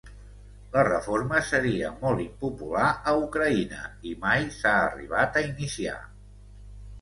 La reforma seria molt impopular a Ucraïna i mai s’ha arribat a iniciar.